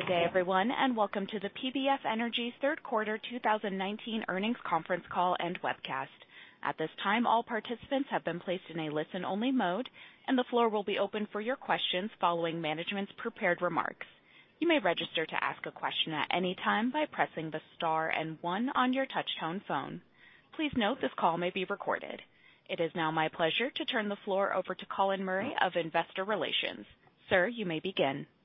Good day, everyone, and welcome to the PBF Energy third quarter 2019 earnings conference call and webcast. At this time, all participants have been placed in a listen-only mode, and the floor will be open for your questions following management's prepared remarks. You may register to ask a question at any time by pressing the star and one on your touchtone phone. Please note this call may be recorded. It is now my pleasure to turn the floor over to Colin Murray of Investor Relations. Sir, you may begin. Thank you,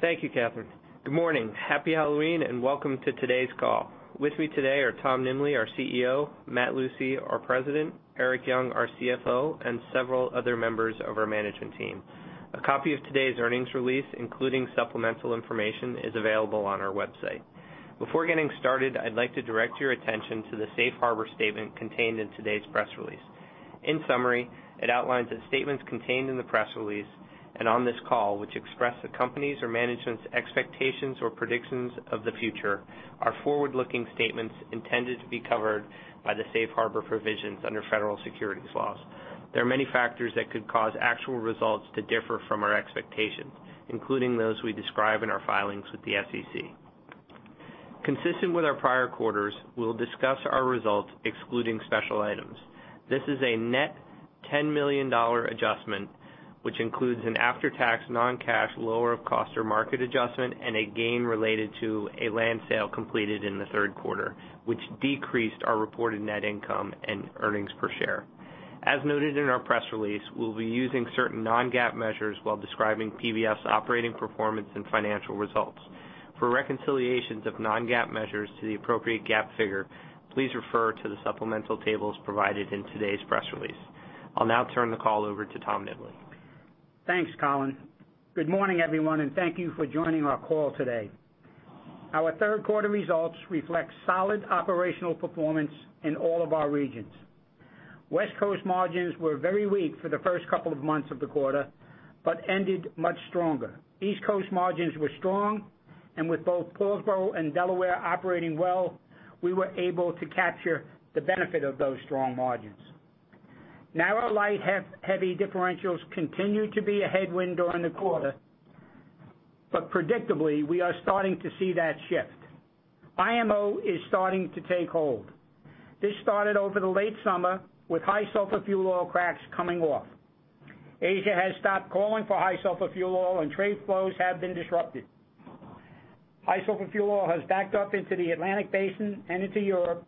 Catherine. Good morning. Happy Halloween, and welcome to today's call. With me today are Tom Nimbley, our CEO, Matt Lucey, our President, Erik Young, our CFO, and several other members of our management team. A copy of today's earnings release, including supplemental information, is available on our website. Before getting started, I'd like to direct your attention to the Safe Harbor statement contained in today's press release. In summary, it outlines that statements contained in the press release and on this call, which express the company's or management's expectations or predictions of the future, are forward-looking statements intended to be covered by the Safe Harbor provisions under federal securities laws. There are many factors that could cause actual results to differ from our expectations, including those we describe in our filings with the SEC. Consistent with our prior quarters, we'll discuss our results excluding special items. This is a net $10 million adjustment, which includes an after-tax non-cash lower of cost or market adjustment and a gain related to a land sale completed in the third quarter, which decreased our reported net income and earnings per share. As noted in our press release, we'll be using certain non-GAAP measures while describing PBF's operating performance and financial results. For reconciliations of non-GAAP measures to the appropriate GAAP figure, please refer to the supplemental tables provided in today's press release. I'll now turn the call over to Tom Nimbley. Thanks, Colin. Good morning, everyone, and thank you for joining our call today. Our third quarter results reflect solid operational performance in all of our regions. West Coast margins were very weak for the first couple of months of the quarter, but ended much stronger. East Coast margins were strong, and with both Paulsboro and Delaware operating well, we were able to capture the benefit of those strong margins. Narrow heavy differentials continued to be a headwind during the quarter. Predictably, we are starting to see that shift. IMO is starting to take hold. This started over the late summer with high sulfur fuel oil cracks coming off. Asia has stopped calling for high sulfur fuel oil and trade flows have been disrupted. High sulfur fuel oil has backed up into the Atlantic Basin and into Europe,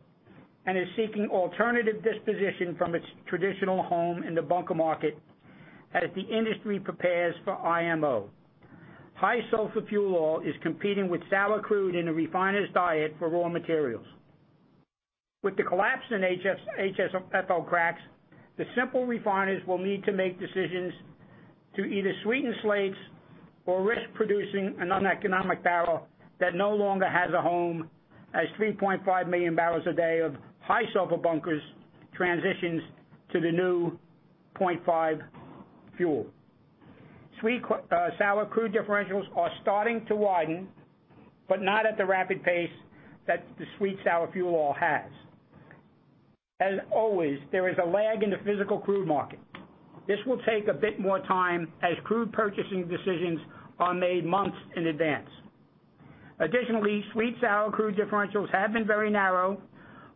and is seeking alternative disposition from its traditional home in the bunker market as the industry prepares for IMO. High sulfur fuel oil is competing with sour crude in the refiners' diet for raw materials. With the collapse in HSFO cracks, the simple refiners will need to make decisions to either sweeten slates or risk producing an uneconomic barrel that no longer has a home as 3.5 million barrels a day of high sulfur bunkers transitions to the new 0.5 fuel. Sweet, sour crude differentials are starting to widen, but not at the rapid pace that the sweet sour fuel oil has. As always, there is a lag in the physical crude market. This will take a bit more time as crude purchasing decisions are made months in advance. Additionally, sweet sour crude differentials have been very narrow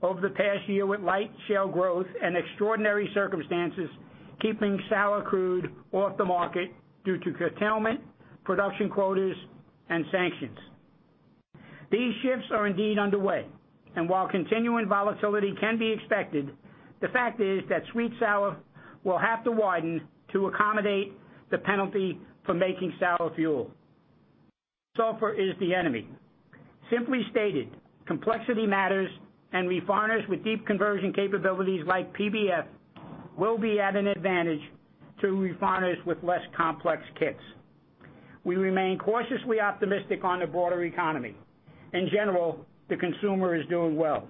over the past year, with light shale growth and extraordinary circumstances keeping sour crude off the market due to curtailment, production quotas, and sanctions. These shifts are indeed underway, and while continuing volatility can be expected, the fact is that sweet sour will have to widen to accommodate the penalty for making sour fuel. Sulfur is the enemy. Simply stated, complexity matters and refiners with deep conversion capabilities like PBF will be at an advantage to refiners with less complex kits. We remain cautiously optimistic on the broader economy. In general, the consumer is doing well.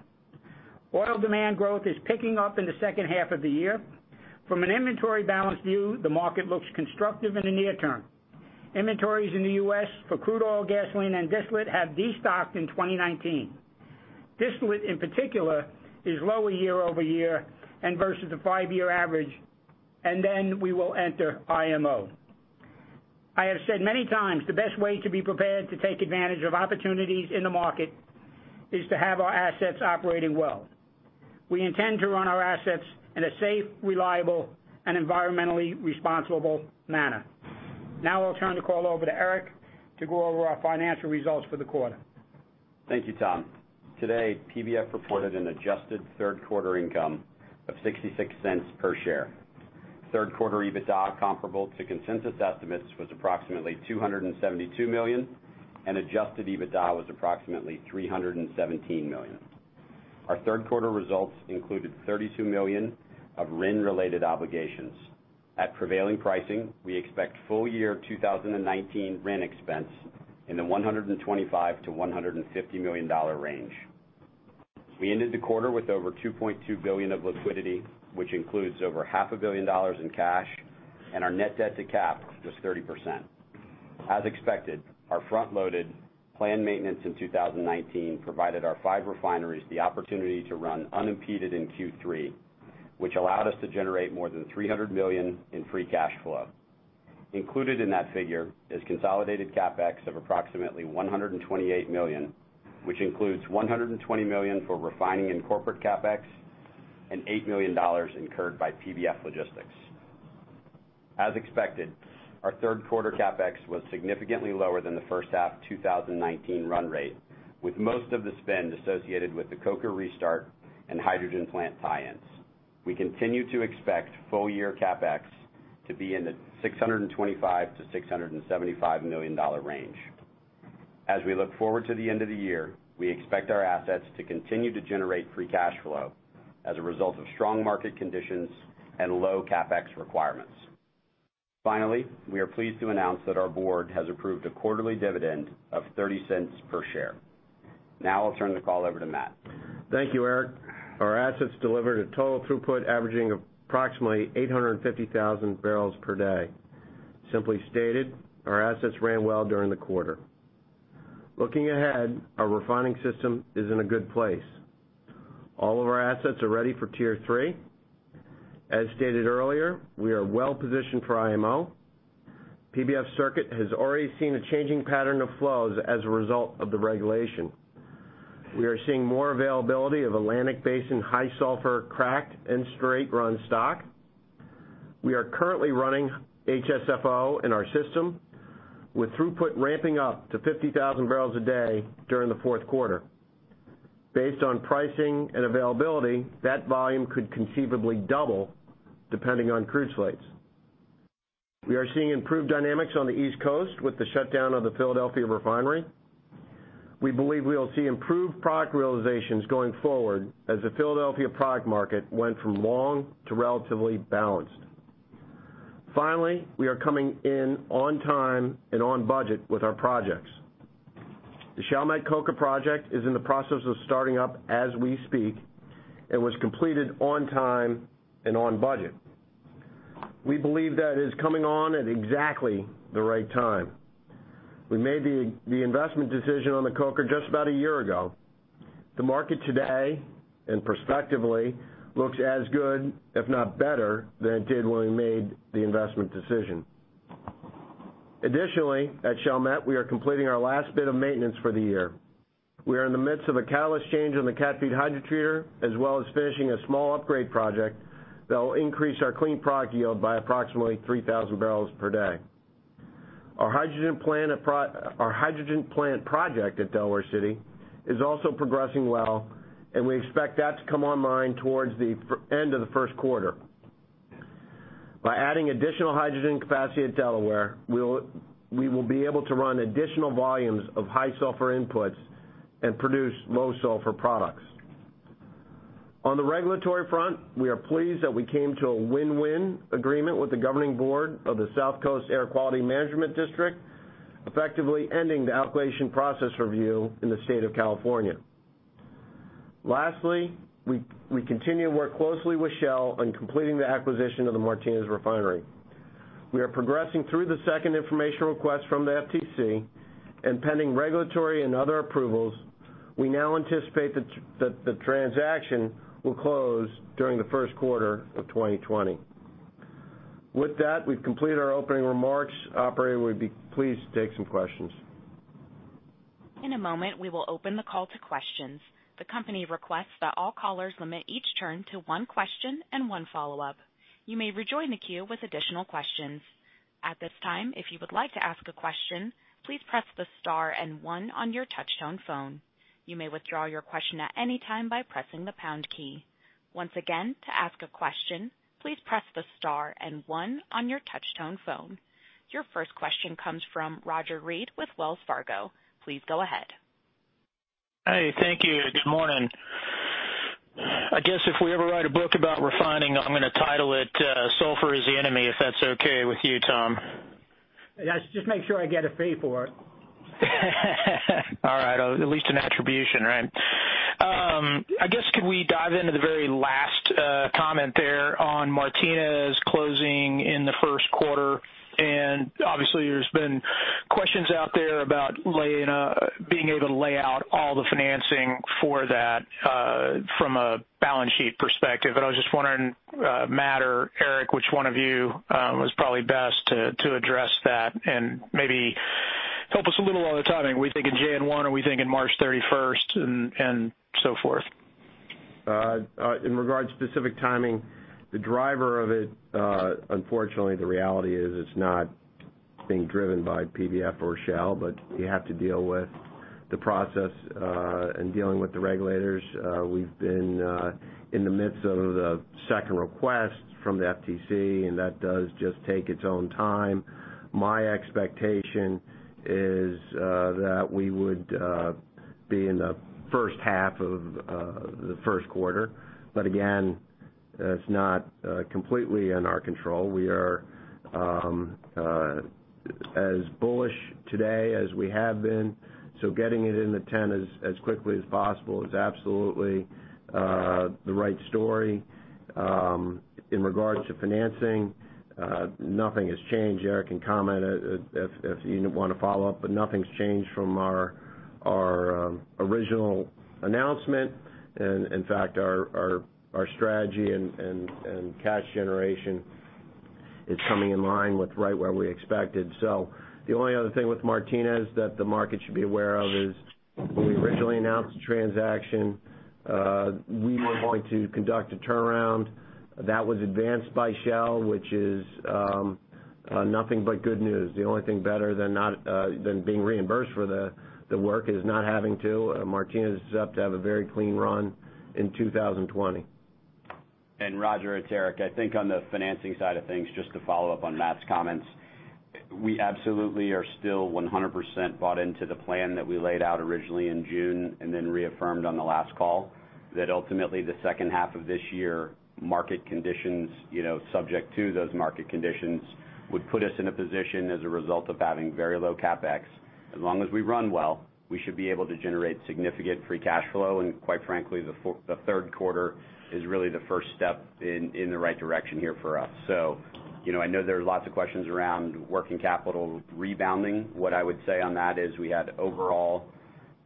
Oil demand growth is picking up in the second half of the year. From an inventory balance view, the market looks constructive in the near term. Inventories in the U.S. for crude oil, gasoline, and distillate have de-stocked in 2019. Distillate, in particular, is lower year-over-year and versus the five-year average, and then we will enter IMO. I have said many times, the best way to be prepared to take advantage of opportunities in the market is to have our assets operating well. We intend to run our assets in a safe, reliable, and environmentally responsible manner. Now I'll turn the call over to Erik to go over our financial results for the quarter. Thank you, Tom. Today, PBF reported an adjusted third-quarter income of $0.66 per share. Third-quarter EBITDA comparable to consensus estimates was approximately $272 million, and adjusted EBITDA was approximately $317 million. Our third-quarter results included $32 million of RIN-related obligations. At prevailing pricing, we expect full-year 2019 RIN expense in the $125 million-$150 million range. We ended the quarter with over $2.2 billion of liquidity, which includes over half a billion dollars in cash, and our net debt to cap was 30%. As expected, our front-loaded planned maintenance in 2019 provided our five refineries the opportunity to run unimpeded in Q3. Which allowed us to generate more than $300 million in free cash flow. Included in that figure is consolidated CapEx of approximately $128 million, which includes $120 million for refining and corporate CapEx, and $8 million incurred by PBF Logistics. As expected, our third quarter CapEx was significantly lower than the first half 2019 run rate, with most of the spend associated with the coker restart and hydrogen plant tie-ins. We continue to expect full-year CapEx to be in the $625 million-$675 million range. As we look forward to the end of the year, we expect our assets to continue to generate free cash flow as a result of strong market conditions and low CapEx requirements. Finally, we are pleased to announce that our board has approved a quarterly dividend of $0.30 per share. Now I'll turn the call over to Matt. Thank you, Erik. Our assets delivered a total throughput averaging approximately 850,000 barrels per day. Simply stated, our assets ran well during the quarter. Looking ahead, our refining system is in a good place. All of our assets are ready for Tier 3. As stated earlier, we are well-positioned for IMO. PBF system has already seen a changing pattern of flows as a result of the regulation. We are seeing more availability of Atlantic Basin high sulfur cracked and straight-run stock. We are currently running HSFO in our system, with throughput ramping up to 50,000 barrels a day during the fourth quarter. Based on pricing and availability, that volume could conceivably double depending on crude slates. We are seeing improved dynamics on the East Coast with the shutdown of the Philadelphia refinery. We believe we will see improved product realizations going forward as the Philadelphia product market went from long to relatively balanced. Finally, we are coming in on time and on budget with our projects. The Shell Chalmette Coker project is in the process of starting up as we speak and was completed on time and on budget. We believe that is coming on at exactly the right time. We made the investment decision on the coker just about one year ago. The market today, and prospectively, looks as good, if not better, than it did when we made the investment decision. Additionally, at Shell Chalmette, we are completing our last bit of maintenance for the year. We are in the midst of a cat feed hydrotreater change on the cat feed hydrotreater, as well as finishing a small upgrade project that will increase our clean product yield by approximately 3,000 barrels per day. Our hydrogen plant project at Delaware City is also progressing well, and we expect that to come online towards the end of the first quarter. By adding additional hydrogen capacity at Delaware, we will be able to run additional volumes of high sulfur inputs and produce low sulfur products. On the regulatory front, we are pleased that we came to a win-win agreement with the governing board of the South Coast Air Quality Management District, effectively ending the allocation process review in the state of California. Lastly, we continue to work closely with Shell on completing the acquisition of the Martinez refinery. We are progressing through the second information request from the FTC and pending regulatory and other approvals. We now anticipate that the transaction will close during the first quarter of 2020. With that, we've completed our opening remarks. Operator, we'd be pleased to take some questions. In a moment, we will open the call to questions. The company requests that all callers limit each turn to one question and one follow-up. You may rejoin the queue with additional questions. At this time, if you would like to ask a question, please press the star 1 on your touch-tone phone. You may withdraw your question at any time by pressing the pound key. Once again, to ask a question, please press the star 1 on your touch-tone phone. Your first question comes from Roger Read with Wells Fargo. Please go ahead. Hey, thank you. Good morning. I guess if we ever write a book about refining, I'm gonna title it, "Sulfur is the Enemy," if that's okay with you, Tom. Yes, just make sure I get a fee for it. All right. At least an attribution, right? I guess could we dive into the very last comment there on Martinez closing in the first quarter, and obviously there's been questions out there about being able to lay out all the financing for that from a balance sheet perspective, but I was just wondering, Matt or Erik, which one of you was probably best to address that and maybe help us a little on the timing. Are we thinking January 1? Are we thinking March 31st, and so forth? In regards to specific timing, the driver of it, unfortunately, the reality is it's not being driven by PBF or Shell, but you have to deal with the process, and dealing with the regulators. We've been in the midst of the second request from the FTC, and that does just take its own time. My expectation is that we would be in the first half of the first quarter, but again, it's not completely in our control. We are as bullish today as we have been, so getting it in the 10 as quickly as possible is absolutely the right story. In regards to financing, nothing has changed. Erik can comment if you want to follow up, but nothing's changed from our original announcement. In fact, our strategy and cash generation is coming in line with right where we expected. The only other thing with Martinez that the market should be aware of is, when we originally announced the transaction, we were going to conduct a turnaround that was advanced by Shell, which is nothing but good news. The only thing better than being reimbursed for the work is not having to. Martinez is up to have a very clean run in 2020. Roger, it's Erik. I think on the financing side of things, just to follow up on Matt's comments, we absolutely are still 100% bought into the plan that we laid out originally in June and then reaffirmed on the last call. That ultimately the second half of this year, subject to those market conditions, would put us in a position as a result of having very low CapEx. As long as we run well, we should be able to generate significant free cash flow. Quite frankly, the third quarter is really the first step in the right direction here for us. I know there are lots of questions around working capital rebounding. What I would say on that is we had overall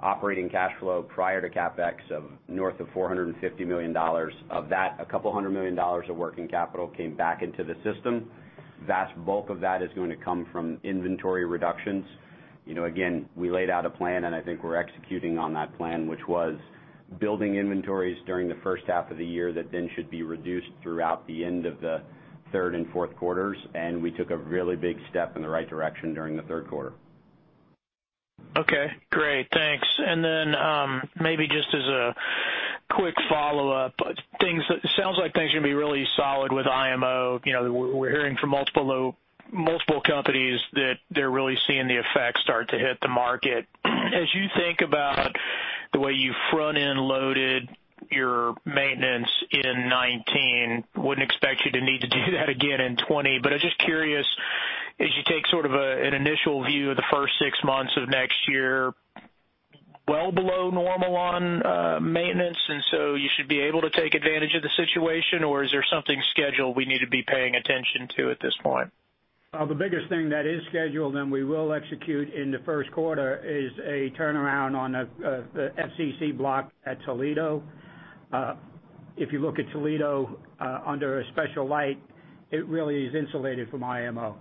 operating cash flow prior to CapEx of north of $450 million. Of that, $200 million of working capital came back into the PBF system. Vast bulk of that is going to come from inventory reductions. Again, we laid out a plan, and I think we're executing on that plan, which was building inventories during the first half of the year, that then should be reduced throughout the end of the third and fourth quarters. And we took a really big step in the right direction during the third quarter. Okay, great. Thanks. Maybe just as a quick follow-up. Sounds like things should be really solid with IMO. We're hearing from multiple companies that they're really seeing the effects start to hit the market. As you think about the way you front-end loaded your maintenance in 2019, wouldn't expect you to need to do that again in 2020. I was just curious, as you take sort of an initial view of the first six months of next year, well below normal on maintenance, and so you should be able to take advantage of the situation? Is there something scheduled we need to be paying attention to at this point? The biggest thing that is scheduled, and we will execute in the first quarter, is a turnaround on the FCC block at Toledo. If you look at Toledo under a special light, it really is insulated from IMO.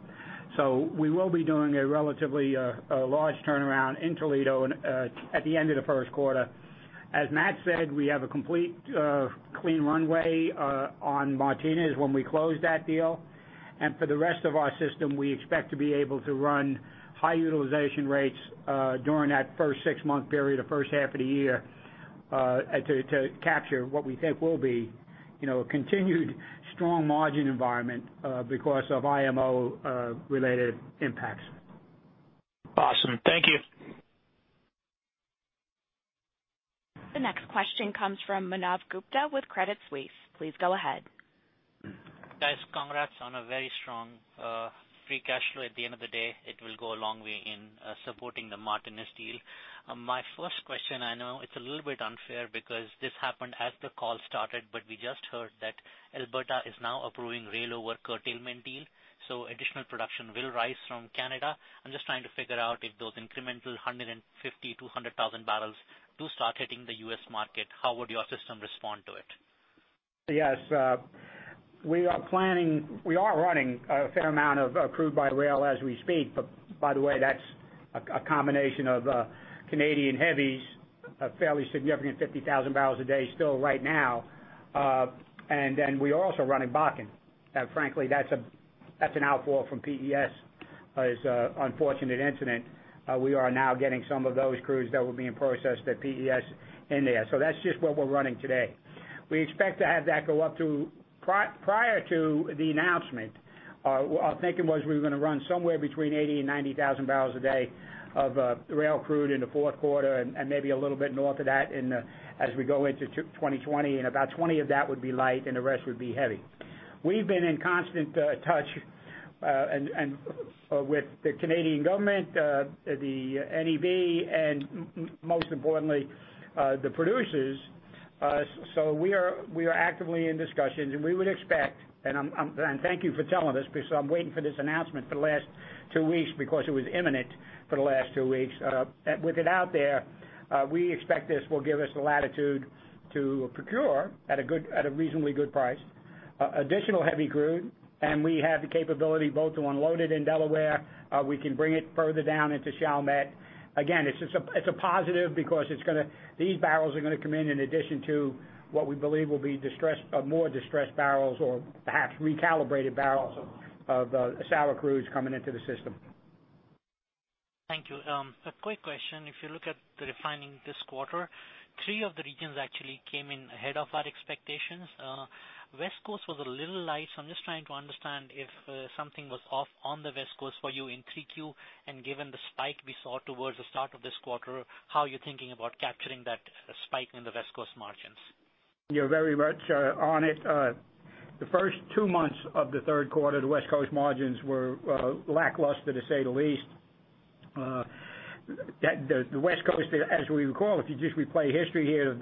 We will be doing a relatively large turnaround in Toledo at the end of the first quarter. As Matt said, we have a complete clean runway on Martinez when we close that deal. For the rest of our system, we expect to be able to run high utilization rates during that first six-month period, the first half of the year, to capture what we think will be a continued strong margin environment because of IMO-related impacts. Awesome. Thank you. The next question comes from Manav Gupta with Credit Suisse. Please go ahead. Guys, congrats on a very strong free cash flow. At the end of the day, it will go a long way in supporting the Martinez deal. My first question, I know it's a little bit unfair because this happened as the call started. We just heard that Alberta is now approving rail-for-curtailment deal, so additional production will rise from Canada. I'm just trying to figure out if those incremental 150,000-200,000 barrels do start hitting the U.S. market, how would your system respond to it? Yes. We are running a fair amount of crude by rail as we speak. By the way, that's a combination of Canadian heavies, a fairly significant 50,000 barrels a day still right now. We are also running Bakken. Frankly, that's an outfall from PES's unfortunate incident. We are now getting some of those crudes that were being processed at PES in there. That's just what we're running today. Prior to the announcement, our thinking was we were going to run somewhere between 80,000 and 90,000 barrels a day of rail crude in the fourth quarter, maybe a little bit north of that as we go into 2020, about 20 of that would be light and the rest would be heavy. We've been in constant touch with the Canadian government, the NEB, and most importantly, the producers. We are actively in discussions, and we would expect, and thank you for telling us, because I'm waiting for this announcement for the last two weeks because it was imminent for the last two weeks. With it out there, we expect this will give us the latitude to procure, at a reasonably good price, additional heavy crude. We have the capability both to unload it in Delaware, we can bring it further down into Chalmette. Again, it's a positive because these barrels are going to come in in addition to what we believe will be more distressed barrels or perhaps recalibrated barrels of sour crudes coming into the system. Thank you. A quick question. If you look at the refining this quarter, three of the regions actually came in ahead of our expectations. West Coast was a little light, so I'm just trying to understand if something was off on the West Coast for you in 3Q, and given the spike we saw towards the start of this quarter, how you're thinking about capturing that spike in the West Coast margins. You're very much on it. The first two months of the third quarter, the West Coast margins were lackluster, to say the least. The West Coast, as we recall, if you just replay history here of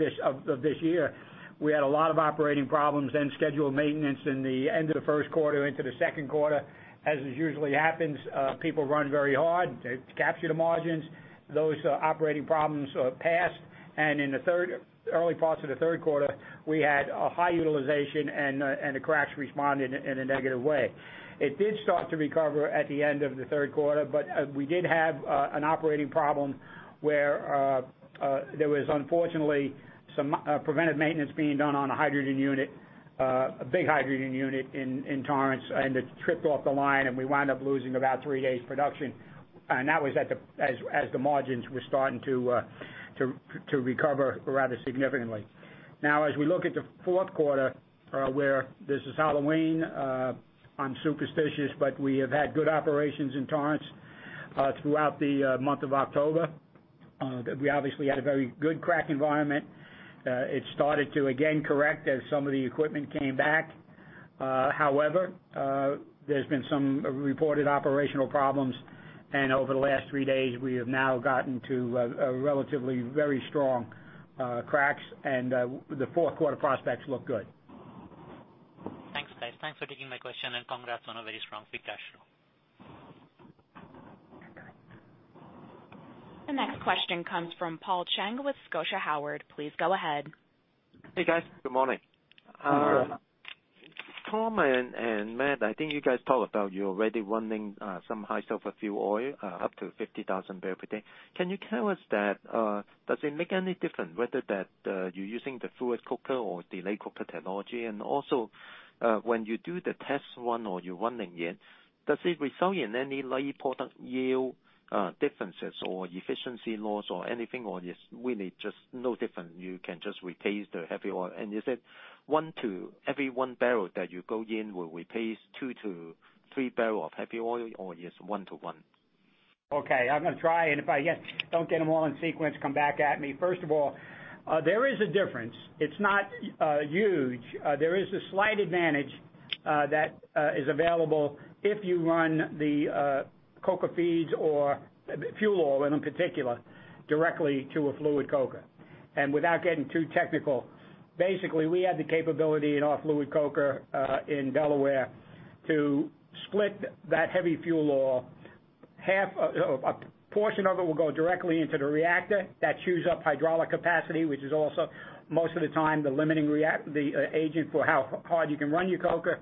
this year, we had a lot of operating problems, then scheduled maintenance in the end of the first quarter into the second quarter. As usually happens, people run very hard to capture the margins. Those operating problems passed, and in the early parts of the third quarter, we had a high utilization and the cracks responded in a negative way. It did start to recover at the end of the third quarter, but we did have an operating problem where there was, unfortunately, some preventive maintenance being done on a hydrogen unit, a big hydrogen unit in Torrance, and it tripped off the line, and we wound up losing about three days production. That was as the margins were starting to recover rather significantly. As we look at the fourth quarter, where this is Halloween, I'm superstitious, but we have had good operations in Torrance throughout the month of October. We obviously had a very good crack environment. It started to again correct as some of the equipment came back. There's been some reported operational problems, and over the last three days, we have now gotten to a relatively very strong cracks and the fourth quarter prospects look good. Thanks, guys. Thanks for taking my question and congrats on a very strong free cash flow. The next question comes from Paul Cheng with Scotia Howard. Please go ahead. Hey, guys. Good morning. Good morning. Tom and Matt, I think you guys talked about you're already running some high sulfur fuel oil, up to 50,000 barrel per day. Can you tell us that, does it make any difference whether you're using the fluid coker or delayed coker technology? Also, when you do the test run or you're running it, does it result in any light product yield differences or efficiency loss or anything, or it's really just no different, you can just replace the heavy oil? You said every one barrel that you go in will replace 2 to 3 barrel of heavy oil, or it is 1 to 1? Okay. I'm going to try, and if I, yes, don't get them all in sequence, come back at me. First of all, there is a difference. It's not huge. There is a slight advantage that is available if you run the coker feeds or fuel oil, in particular, directly to a fluid coker. Without getting too technical, basically, we have the capability in our fluid coker in Delaware to split that heavy fuel oil. A portion of it will go directly into the reactor. That chews up hydraulic capacity, which is also, most of the time, the limiting agent for how hard you can run your coker.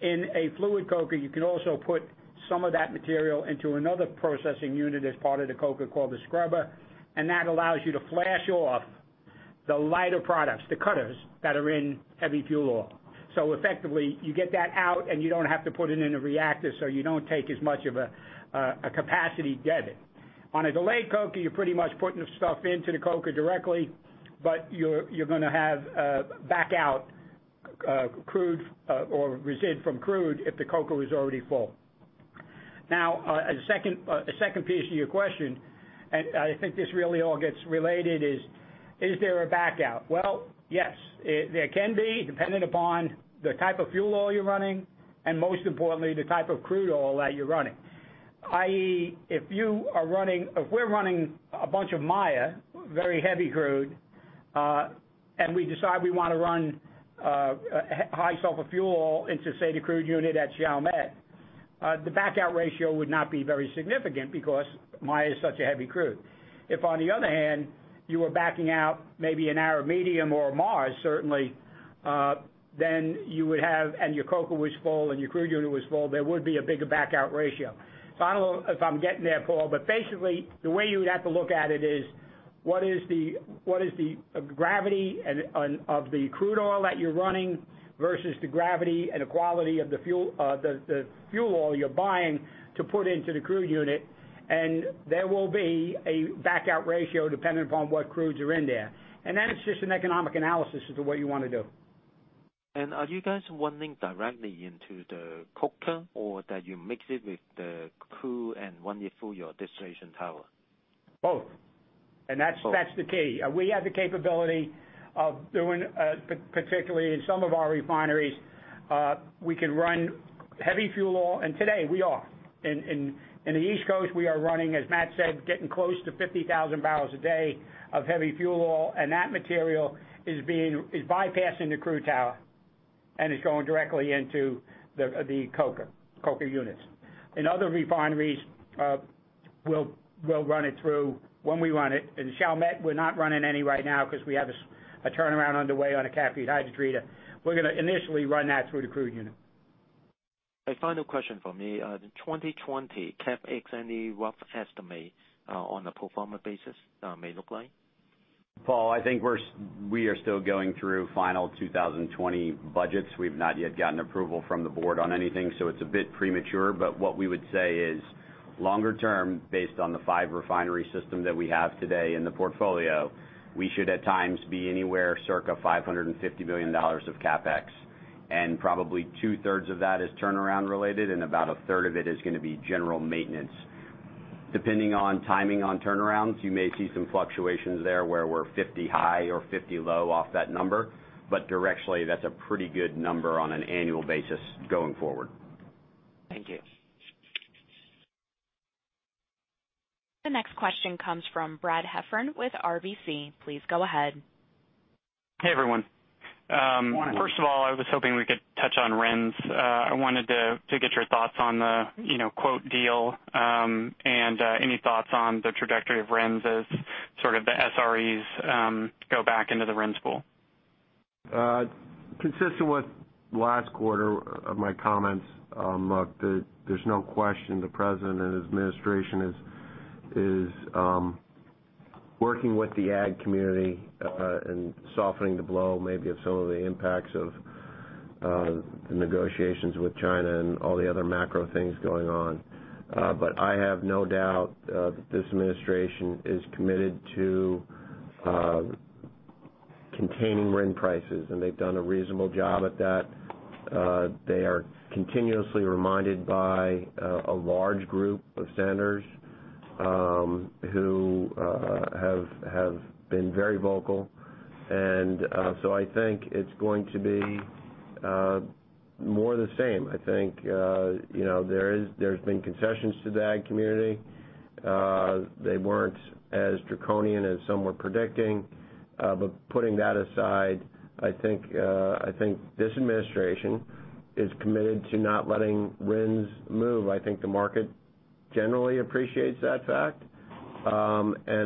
In a fluid coker, you can also put some of that material into another processing unit as part of the coker called the scrubber, and that allows you to flash off the lighter products, the cutters that are in heavy fuel oil. Effectively, you get that out and you don't have to put it in a reactor, so you don't take as much of a capacity debit. On a delayed coker, you're pretty much putting the stuff into the coker directly, but you're going to have a backout crude or resid from crude if the coker is already full. A second piece to your question, and I think this really all gets related is there a backout? Well, yes. There can be, depending upon the type of fuel oil you're running, and most importantly, the type of crude oil that you're running. If we're running a bunch of Maya, very heavy crude, and we decide we want to run high sulfur fuel oil into, say, the crude unit at Chalmette, the backout ratio would not be very significant because Maya is such a heavy crude. If, on the other hand, you were backing out maybe an Arab Medium or a Mars, certainly, and your coker was full and your crude unit was full, there would be a bigger backout ratio. I don't know if I'm getting there, Paul, but basically, the way you would have to look at it is, what is the gravity of the crude oil that you're running versus the gravity and the quality of the fuel oil you're buying to put into the crude unit, and there will be a backout ratio depending upon what crudes are in there. That is just an economic analysis as to what you want to do. Are you guys running directly into the coker, or that you mix it with the crude and run it through your distillation tower? Both. Both. That's the key. We have the capability of doing, particularly in some of our refineries, we can run heavy fuel oil. Today we are. In the East Coast, we are running, as Matt said, getting close to 50,000 barrels a day of heavy fuel oil. That material is bypassing the crude tower and is going directly into the coker units. In other refineries, we'll run it through when we run it. In Chalmette, we're not running any right now because we have a turnaround underway on a cat feed hydrotreater. We're going to initially run that through the crude unit. A final question for me. The 2020 CapEx, any rough estimate on the pro forma basis may look like? Paul, I think we are still going through final 2020 budgets. We've not yet gotten approval from the board on anything, so it's a bit premature. What we would say is, longer term, based on the five refinery system that we have today in the portfolio, we should at times be anywhere circa $550 million of CapEx. Probably two-thirds of that is turnaround related, and about a third of it is gonna be general maintenance. Depending on timing on turnarounds, you may see some fluctuations there where we're 50 high or 50 low off that number, but directionally, that's a pretty good number on an annual basis going forward. Thank you. The next question comes from Brad Heffern with RBC. Please go ahead. Hey, everyone. Morning. First of all, I was hoping we could touch on RINs. I wanted to get your thoughts on the quote deal, and any thoughts on the trajectory of RINs as sort of the SREs go back into the RINs pool. Consistent with last quarter of my comments, there's no question the president and his administration is working with the ag community and softening the blow maybe of some of the impacts of the negotiations with China and all the other macro things going on. I have no doubt that this administration is committed to containing RIN prices, and they've done a reasonable job at that. They are continuously reminded by a large group of senators who have been very vocal. So I think it's going to be more the same. I think there's been concessions to the ag community. They weren't as draconian as some were predicting. Putting that aside, I think this administration is committed to not letting RINs move. I think the market generally appreciates that fact.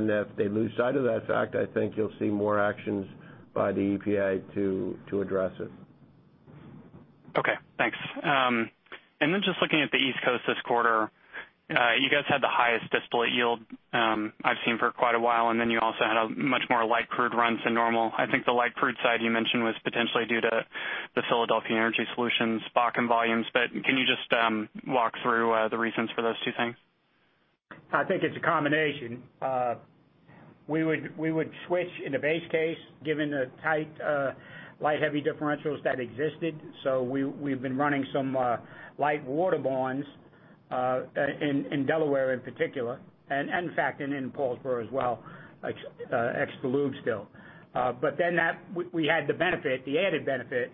If they lose sight of that fact, I think you'll see more actions by the EPA to address it. Okay, thanks. Just looking at the East Coast this quarter, you guys had the highest distillate yield I've seen for quite a while, you also had a much more light crude run than normal. I think the light crude side you mentioned was potentially due to the Philadelphia Energy Solutions Bakken volumes. Can you just walk through the reasons for those two things? I think it's a combination. We would switch in a base case, given the tight light-heavy differentials that existed. We've been running some light waterborne in Delaware in particular, and in fact, in Paulsboro as well, ex the lube still. We had the added benefit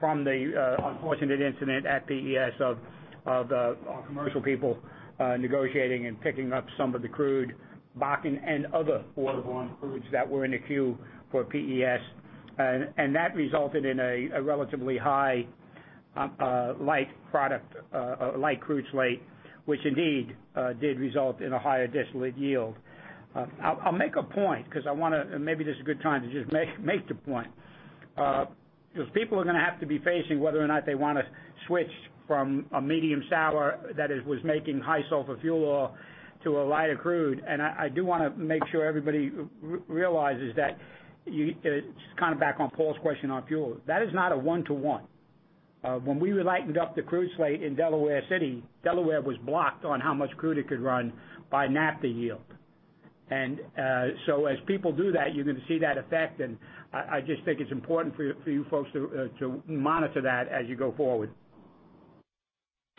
from the unfortunate incident at PES of our commercial people negotiating and picking up some of the crude, Bakken, and other waterborne crudes that were in the queue for PES. That resulted in a relatively high light crude slate, which indeed did result in a higher distillate yield. I'll make a point because maybe this is a good time to just make the point. People are going to have to be facing whether or not they want to switch from a medium sour that was making high-sulfur fuel oil to a lighter crude. I do want to make sure everybody realizes that, just kind of back on Paul's question on fuel. That is not a one-to-one. When we lightened up the crude slate in Delaware City, Delaware was blocked on how much crude it could run by naphtha yield. As people do that, you're going to see that effect, and I just think it's important for you folks to monitor that as you go forward.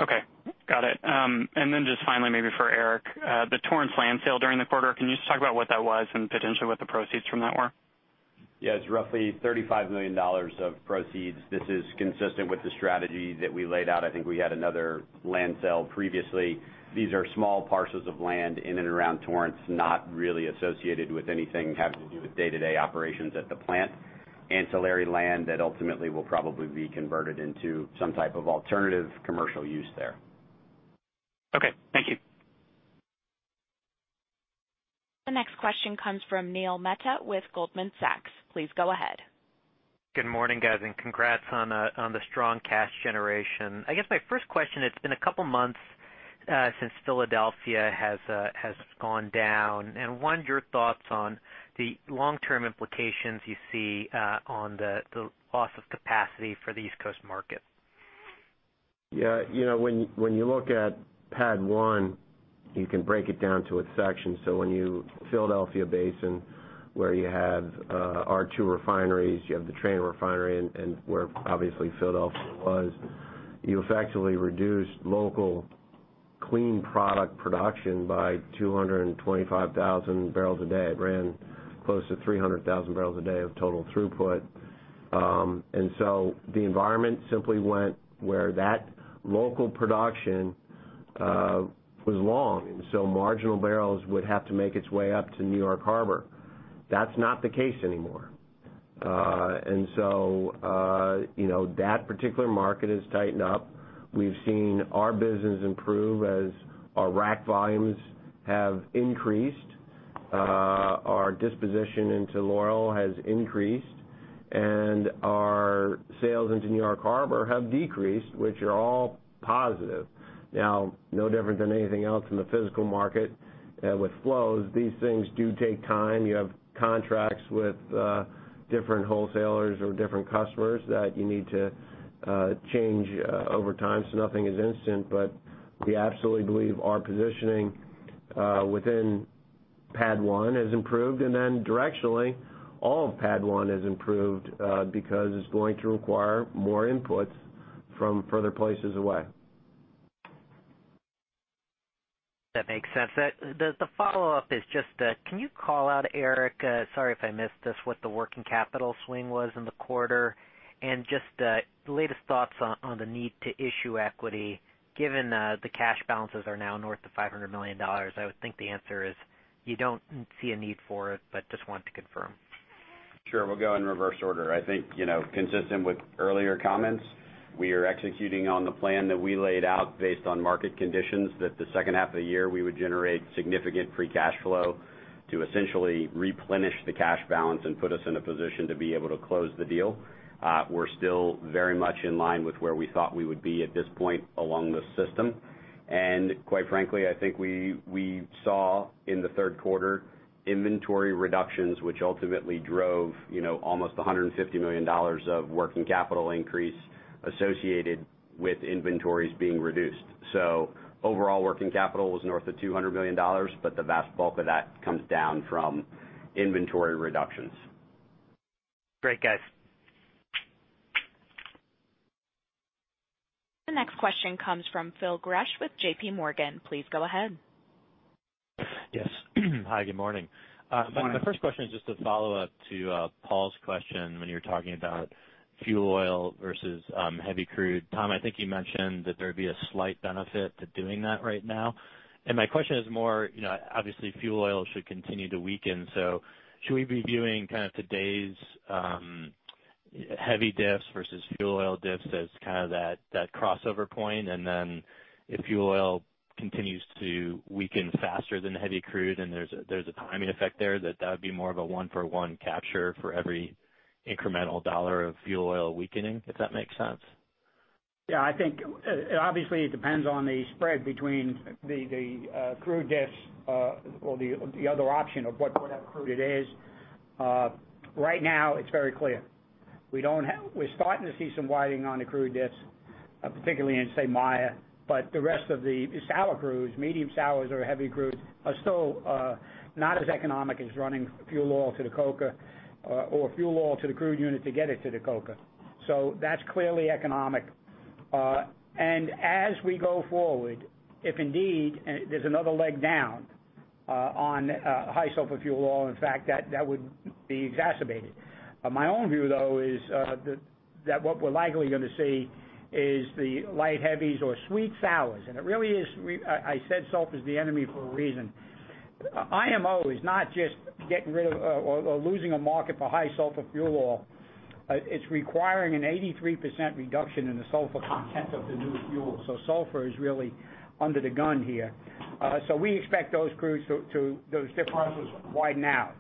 Okay. Got it. Just finally maybe for Erik, the Torrance land sale during the quarter, can you just talk about what that was and potentially what the proceeds from that were? Yeah, it's roughly $35 million of proceeds. This is consistent with the strategy that we laid out. I think we had another land sale previously. These are small parcels of land in and around Torrance, not really associated with anything having to do with day-to-day operations at the plant. Ancillary land that ultimately will probably be converted into some type of alternative commercial use there. Okay. Thank you. The next question comes from Neil Mehta with Goldman Sachs. Please go ahead. Good morning, guys, congrats on the strong cash generation. I guess my first question, it's been a couple of months since Philadelphia has gone down. One, your thoughts on the long-term implications you see on the loss of capacity for the East Coast market. Yeah. When you look at PADD 1, you can break it down to its sections. Philadelphia Basin, where you have our two refineries, you have the Trainer refinery and where obviously Philadelphia was. You effectively reduced local clean product production by 225,000 barrels a day. It ran close to 300,000 barrels a day of total throughput. The environment simply went where that local production was long, and so marginal barrels would have to make its way up to New York Harbor. That's not the case anymore. That particular market has tightened up. We've seen our business improve as our rack volumes have increased. Our disposition into Laurel has increased, and our sales into New York Harbor have decreased, which are all positive. No different than anything else in the physical market. With flows, these things do take time. You have contracts with different wholesalers or different customers that you need to change over time, so nothing is instant. We absolutely believe our positioning within PADD 1 has improved, and then directionally, all of PADD 1 has improved, because it's going to require more inputs from further places away. That makes sense. The follow-up is just, can you call out, Erik, sorry if I missed this, what the working capital swing was in the quarter? Just the latest thoughts on the need to issue equity given the cash balances are now north of $500 million. I would think the answer is you don't see a need for it, but just wanted to confirm. Sure. We'll go in reverse order. I think, consistent with earlier comments, we are executing on the plan that we laid out based on market conditions, that the second half of the year, we would generate significant free cash flow to essentially replenish the cash balance and put us in a position to be able to close the deal. We're still very much in line with where we thought we would be at this point along this system. Quite frankly, I think we saw in the third quarter, inventory reductions, which ultimately drove almost $150 million of working capital increase associated with inventories being reduced. Overall working capital was north of $200 million, but the vast bulk of that comes down from inventory reductions. Great guys. The next question comes from Phil Gresh with JPMorgan. Please go ahead. Yes. Hi, good morning. Good morning. My first question is just a follow-up to Paul's question when you were talking about fuel oil versus heavy crude. Tom, I think you mentioned that there'd be a slight benefit to doing that right now. My question is more, obviously, fuel oil should continue to weaken. Should we be viewing today's heavy diffs versus fuel oil diffs as that crossover point? Then if fuel oil continues to weaken faster than the heavy crude and there's a timing effect there, that that would be more of a one-for-one capture for every incremental dollar of fuel oil weakening? If that makes sense. I think, obviously, it depends on the spread between the crude diffs or the other option of whatever crude it is. Right now, it's very clear. We're starting to see some widening on the crude diffs, particularly in, say, Maya. The rest of the sour crudes, medium sours or heavy crudes, are still not as economic as running fuel oil to the coker or fuel oil to the crude unit to get it to the coker. That's clearly economic. As we go forward, if indeed there's another leg down on high sulfur fuel oil, in fact, that would be exacerbated. My own view, though, is that what we're likely going to see is the light heavies or sweet-sours. It really is. I said sulfur's the enemy for a reason. IMO is not just losing a market for high sulfur fuel oil. It's requiring an 83% reduction in the sulfur content of the new fuel. Sulfur is really under the gun here. We expect those diffs to widen out.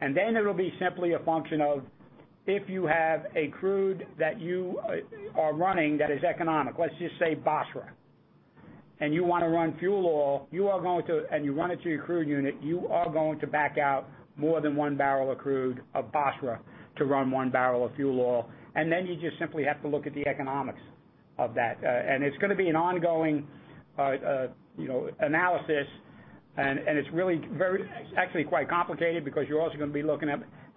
Then it'll be simply a function of if you have a crude that you are running that is economic, let's just say Basra, and you want to run fuel oil, and you run it through your crude unit, you are going to back out more than one barrel of Basra crude to run one barrel of fuel oil. Then you just simply have to look at the economics of that. It's going to be an ongoing analysis, and it's really actually quite complicated because you're also going to be looking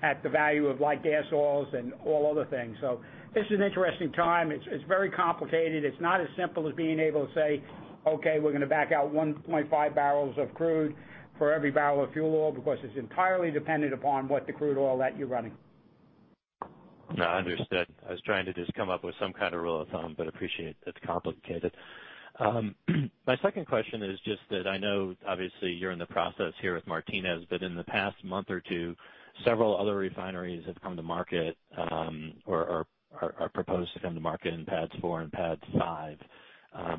at the value of light gas oils and all other things. This is an interesting time. It's very complicated. It's not as simple as being able to say, "Okay, we're going to back out 1.5 barrels of crude for every barrel of fuel oil," because it's entirely dependent upon what the crude oil that you're running. No, understood. I was trying to just come up with some kind of rule of thumb, but appreciate that's complicated. My second question is just that I know, obviously, you're in the process here with Martinez, but in the past month or two, several other refineries have come to market, or are proposed to come to market in PADD 4 and PADD 5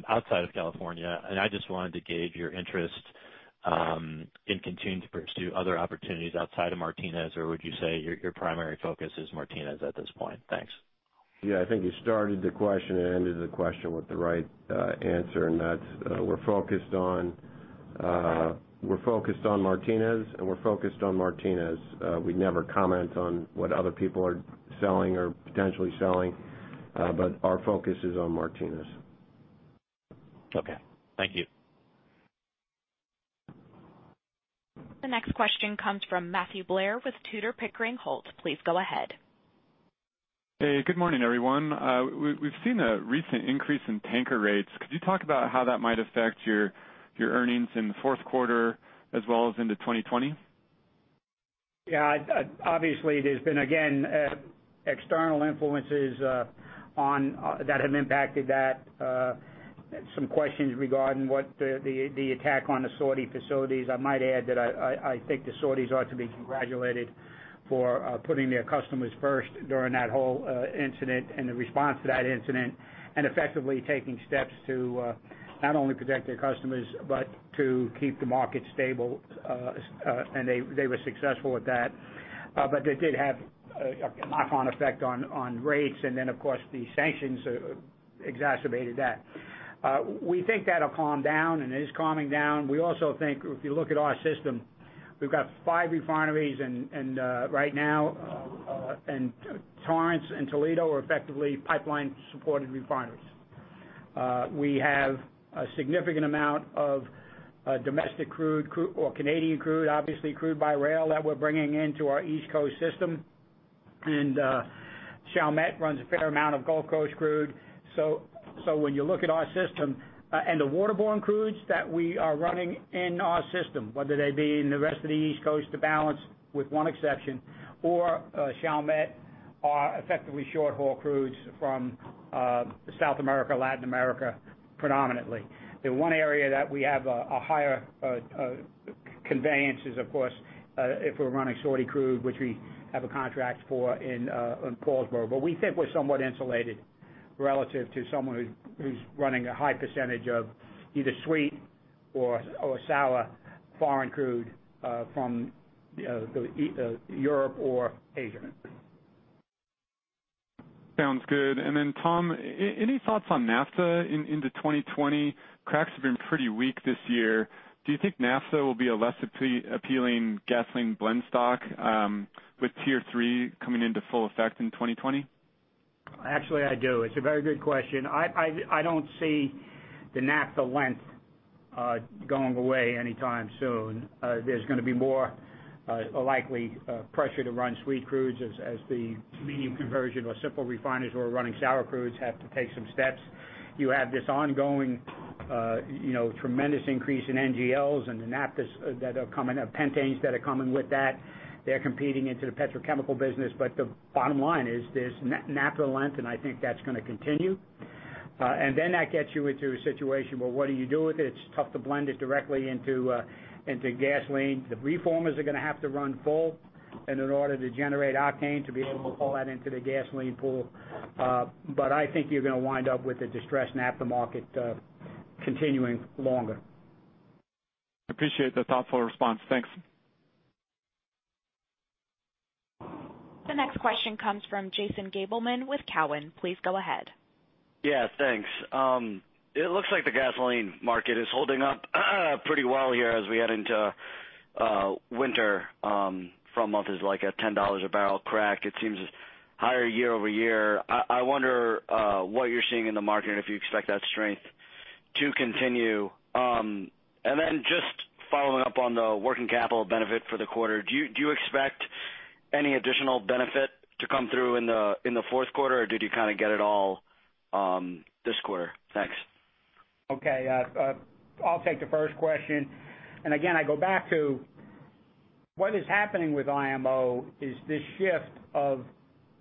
outside of California. I just wanted to gauge your interest in continuing to pursue other opportunities outside of Martinez, or would you say your primary focus is Martinez at this point? Thanks. Yeah, I think you started the question and ended the question with the right answer, that's we're focused on Martinez. We never comment on what other people are selling or potentially selling. Our focus is on Martinez. Okay. Thank you. The next question comes from Matthew Blair with Tudor, Pickering, Holt & Co. Please go ahead. Hey, good morning, everyone. We've seen a recent increase in tanker rates. Could you talk about how that might affect your earnings in the fourth quarter as well as into 2020? Yeah, obviously, there's been, again, external influences that have impacted that. Some questions regarding what the attack on the Saudi facilities. I might add that I think the Saudis ought to be congratulated for putting their customers first during that whole incident and the response to that incident, and effectively taking steps to not only protect their customers, but to keep the market stable. They were successful at that. They did have a knock-on effect on rates. Then, of course, the sanctions exacerbated that. We think that'll calm down, and it is calming down. We also think if you look at our system, we've got five refineries, and right now, Torrance and Toledo are effectively pipeline-supported refineries. We have a significant amount of domestic crude or Canadian crude, obviously crude by rail that we're bringing into our East Coast system. Chalmette runs a fair amount of Gulf Coast crude. When you look at our system and the waterborne crudes that we are running in our system, whether they be in the rest of the East Coast to balance with one exception, or Chalmette are effectively short-haul crudes from South America, Latin America predominantly. The one area that we have a higher conveyance is of course, if we're running Saudi crude, which we have a contract for in Paulsboro. We think we're somewhat insulated relative to someone who's running a high percentage of either sweet or sour foreign crude, from Europe or Asia. Sounds good. Tom, any thoughts on naphtha into 2020? Cracks have been pretty weak this year. Do you think naphtha will be a less appealing gasoline blend stock, with Tier 3 coming into full effect in 2020? Actually, I do. It's a very good question. I don't see the naphtha length going away anytime soon. There's going to be more likely pressure to run sweet crudes as the medium conversion or simple refineries who are running sour crudes have to take some steps. You have this ongoing tremendous increase in NGLs and the naphthas that are coming up, pentanes that are coming with that. They're competing into the petrochemical business. The bottom line is there's naphtha length, and I think that's going to continue. That gets you into a situation where what do you do with it? It's tough to blend it directly into gasoline. The reformers are going to have to run full and in order to generate octane to be able to pull that into the gasoline pool. I think you're going to wind up with a distressed naphtha market continuing longer. Appreciate the thoughtful response. Thanks. The next question comes from Jason Gabelman with Cowen. Please go ahead. Yeah, thanks. It looks like the gasoline market is holding up pretty well here as we head into winter. Front month is like a $10 a barrel crack. It seems higher year-over-year. I wonder what you're seeing in the market, if you expect that strength to continue. Then just following up on the working capital benefit for the quarter, do you expect any additional benefit to come through in the fourth quarter, or did you kind of get it all this quarter? Thanks. Okay. I'll take the first question. Again, I go back to what is happening with IMO is this shift of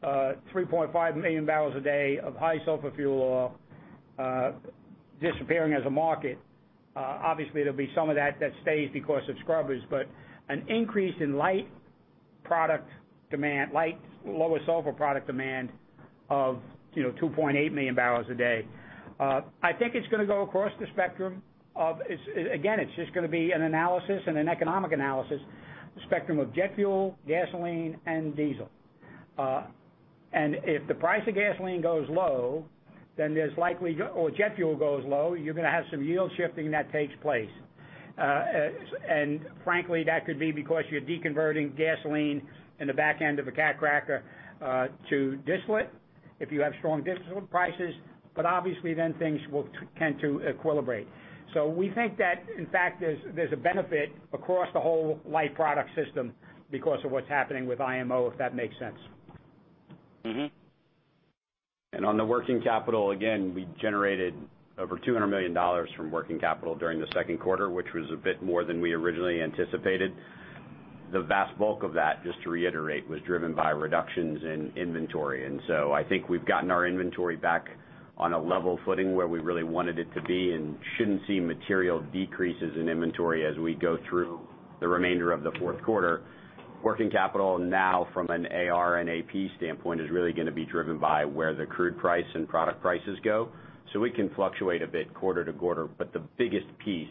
3.5 million barrels a day of high sulfur fuel oil disappearing as a market. Obviously, there'll be some of that that stays because of scrubbers, an increase in light product demand, light lower sulfur product demand of 2.8 million barrels a day. I think it's going to go across the spectrum of Again, it's just going to be an analysis and an economic analysis spectrum of jet fuel, gasoline, and diesel. If the price of gasoline goes low, or jet fuel goes low, you're going to have some yield shifting that takes place. Frankly, that could be because you're deconverting gasoline in the back end of a cat cracker to distillate. If you have strong distillate prices. Obviously then things will tend to equilibrate. We think that, in fact, there's a benefit across the whole light product system because of what's happening with IMO, if that makes sense. On the working capital, again, we generated over $200 million from working capital during the second quarter, which was a bit more than we originally anticipated. The vast bulk of that, just to reiterate, was driven by reductions in inventory. I think we've gotten our inventory back on a level footing where we really wanted it to be and shouldn't see material decreases in inventory as we go through the remainder of the fourth quarter. Working capital now from an AR and AP standpoint is really going to be driven by where the crude price and product prices go. We can fluctuate a bit quarter to quarter, but the biggest piece,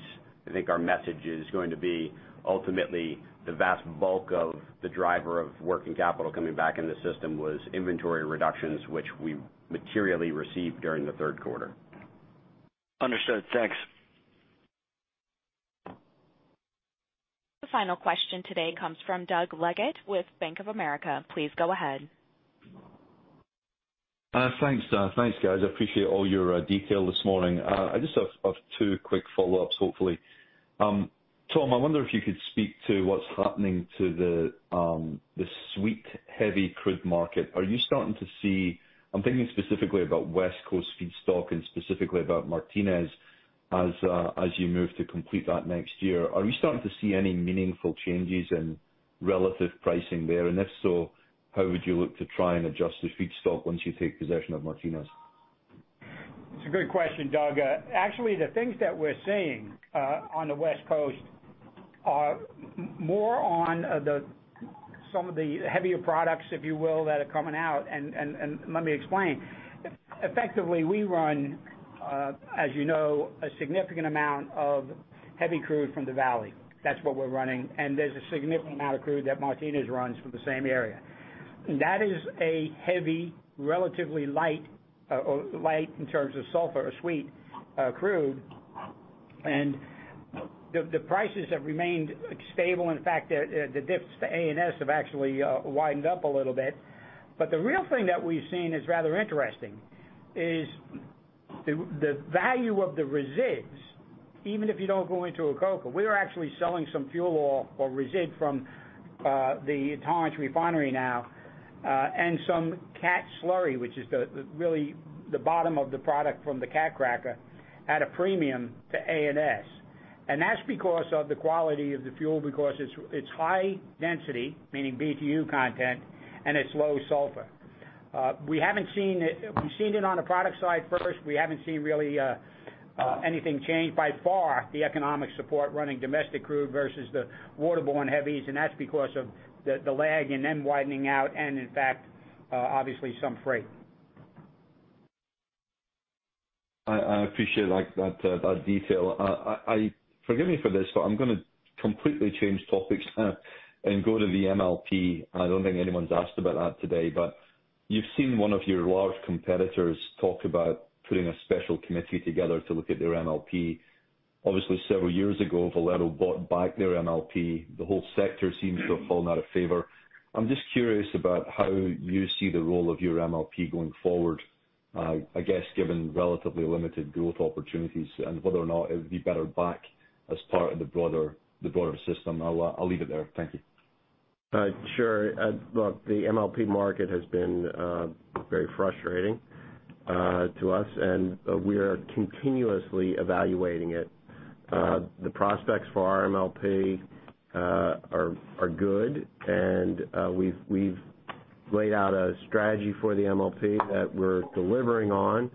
I think our message is going to be ultimately the vast bulk of the driver of working capital coming back in the system was inventory reductions, which we materially received during the third quarter. Understood. Thanks. The final question today comes from Doug Leggate with Bank of America. Please go ahead. Thanks. Thanks, guys. I appreciate all your detail this morning. I just have two quick follow-ups, hopefully. Tom, I wonder if you could speak to what's happening to the sweet heavy crude market. Are you starting to see I'm thinking specifically about West Coast feedstock and specifically about Martinez as you move to complete that next year? Are we starting to see any meaningful changes in relative pricing there? If so, how would you look to try and adjust the feedstock once you take possession of Martinez? It's a great question, Doug. Actually, the things that we're seeing on the West Coast are more on some of the heavier products, if you will, that are coming out. Let me explain. Effectively, we run, as you know, a significant amount of heavy crude from the valley. That's what we're running. There's a significant amount of crude that Martinez runs from the same area. That is a heavy, relatively light in terms of sulfur or sweet crude. The prices have remained stable. The diffs to ANS have actually widened up a little bit. The real thing that we've seen is rather interesting, is the value of the resids, even if you don't go into a coker, we are actually selling some fuel oil or resid from the Torrance refinery now, and some cat slurry, which is really the bottom of the product from the cat cracker, at a premium to ANS. That's because of the quality of the fuel, because it's high density, meaning BTU content, and it's low sulfur. We've seen it on the product side first. We haven't seen really anything change by far the economic support running domestic crude versus the water-borne heavies, and that's because of the lag and them widening out and, in fact, obviously some freight. I appreciate that detail. Forgive me for this, but I'm going to completely change topics and go to the MLP. I don't think anyone's asked about that today, but you've seen one of your large competitors talk about putting a special committee together to look at their MLP. Obviously, several years ago, Valero bought back their MLP. The whole sector seems to have fallen out of favor. I'm just curious about how you see the role of your MLP going forward, I guess, given relatively limited growth opportunities and whether or not it would be better back as part of the broader System. I'll leave it there. Thank you. Sure. Look, the MLP market has been very frustrating to us, and we are continuously evaluating it. The prospects for our MLP are good and we've laid out a strategy for the MLP that we're delivering on.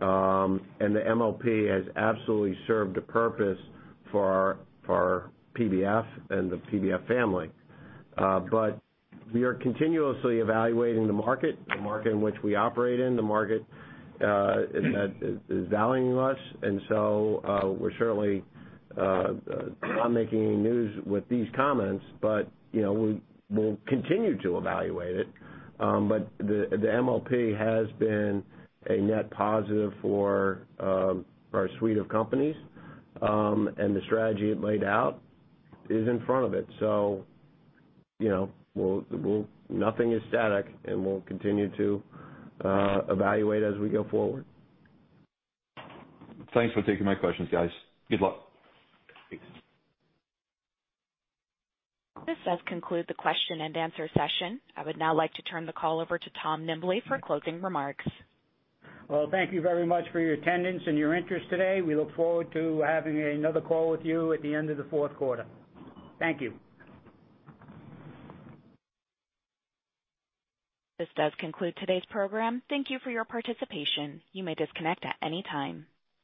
The MLP has absolutely served a purpose for our PBF and the PBF family. We are continuously evaluating the market, the market in which we operate in, the market that is valuing us. We're surely not making any news with these comments, but we'll continue to evaluate it. The MLP has been a net positive for our suite of companies. The strategy it laid out is in front of it. Nothing is static, and we'll continue to evaluate as we go forward. Thanks for taking my questions, guys. Good luck. Thanks. This does conclude the question and answer session. I would now like to turn the call over to Tom Nimbley for closing remarks. Well, thank you very much for your attendance and your interest today. We look forward to having another call with you at the end of the fourth quarter. Thank you. This does conclude today's program. Thank you for your participation. You may disconnect at any time.